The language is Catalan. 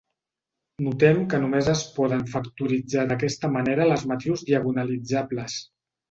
Notem que només es poden factoritzar d'aquesta manera les matrius diagonalitzables.